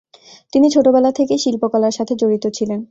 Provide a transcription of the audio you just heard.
তিনি ছোটবেলা থেকেই শিল্পকলার সাথে জড়িত ছিলেন।